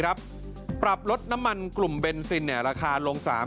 โทษภาพชาวนี้ก็จะได้ราคาใหม่